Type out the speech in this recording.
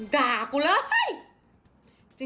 ด่ากูเลย